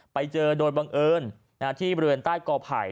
ไปเจอโดยบังเอิญที่บริเวณใต้กอไผ่